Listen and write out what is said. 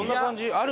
ある？